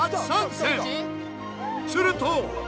すると。